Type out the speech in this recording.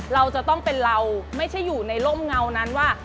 เราจะต้องเป็นเราไม่ใช่อยู่ในร่มเงานั้นว่า